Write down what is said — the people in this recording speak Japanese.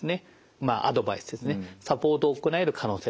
まあアドバイスですねサポートを行える可能性があるんですよ。